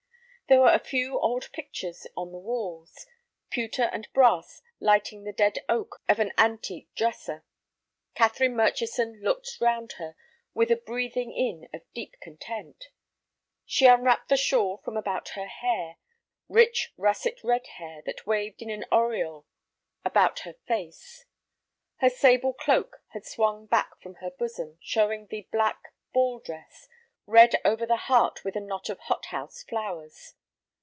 There were a few old pictures on the walls, pewter and brass lighting the dead oak of an antique dresser. Catherine Murchison looked round her with a breathing in of deep content. She unwrapped the shawl from about her hair, rich russet red hair that waved in an aureole about her face. Her sable cloak had swung back from her bosom, showing the black ball dress, red over the heart with a knot of hothouse flowers.